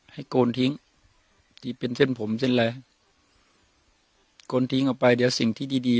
โกนทิ้งที่เป็นเส้นผมเส้นอะไรโกนทิ้งออกไปเดี๋ยวสิ่งที่ดีดี